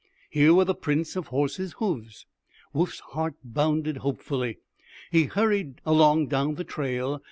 Here were the prints of horses' hooves. Woof's heart bounded hopefully. He hurried along down the trail.